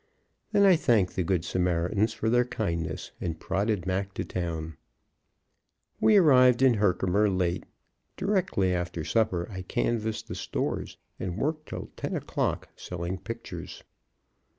Then I thanked the good Samaritans for their kindness, and prodded Mac to town. We arrived in Herkimer late. Directly after supper I canvassed the stores, and worked till ten o'clock selling pictures.